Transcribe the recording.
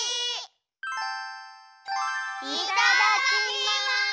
いただきます！